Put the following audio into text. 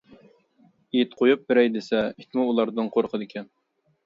ئىت قويۇپ بېرەي دېسە، ئىتمۇ ئۇلاردىن قورقىدىكەن.